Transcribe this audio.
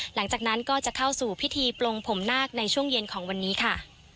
หลังจากนั้นก็จะเข้าสู่พิธีปลงผมนาคในช่วงเย็นของวันนี้ค่ะ